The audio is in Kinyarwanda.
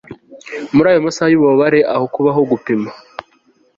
muri ayo masaha yububabare aho kubaho gupima